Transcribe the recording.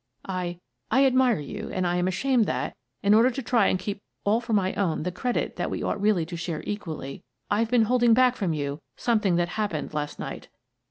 I — I admire you and I am ashamed that, in order to try and keep all for my own the credit that we ought really to share equally, I've been holding back from you something that happened last night."